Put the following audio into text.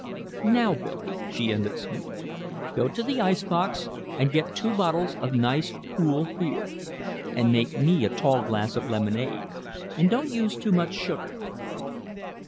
"Now Billy," she ended smoothly, "go to the icebox and get two bottles of nice cool beer and make me a tall glass of lemonade. And don't use too much sugar."